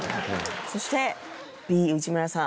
そしてＢ内村さん。